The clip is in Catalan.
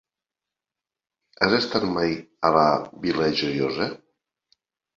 Has estat mai a la Vila Joiosa?